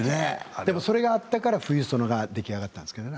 でもそれがあったから「冬ソナ」が出来上がったんですよね。